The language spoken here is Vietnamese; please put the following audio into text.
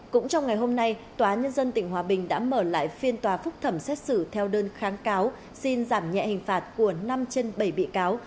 cũng trong ngày hôm nay tòa nhân dân tỉnh hòa bình đã mở lại phiên tòa phúc thẩm xét xử theo đơn kháng cáo xin giảm nhẹ hình phạt của năm trên bảy bị cáo